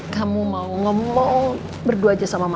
kamu mau ngemo berdua aja sama mama